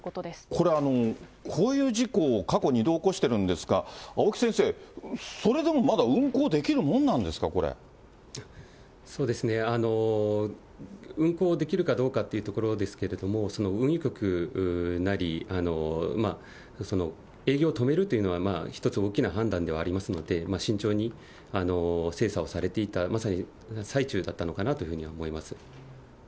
これ、こういう事故を過去２度起こしてるんですが、青木先生、それでもまだ運航できるもんなんですか、そうですね、運航できるかどうかというところですけれども、運輸局なり、営業を止めるというのは、一つ大きな判断ではありますので、慎重に精査をされていた、まさに最中だったのかなというふうに思います。